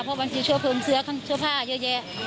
เพราะบางทีเขาเพิ่มเสื้อผ้าเยอะแยะ